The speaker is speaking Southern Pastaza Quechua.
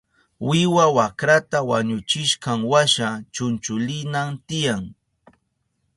Wiwa wakrata wañuchishkanwasha chunchulinan tiyan.